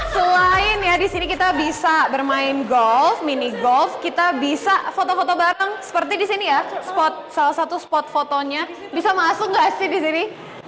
selain ya di sini kita bisa bermain golf mini golf kita bisa foto foto bareng seperti di sini ya salah satu spot fotonya bisa masuk nggak sih di sini